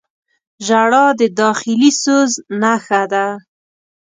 • ژړا د داخلي سوز نښه ده.